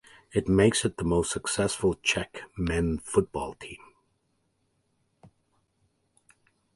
It makes it the most successful Czech men floorball team.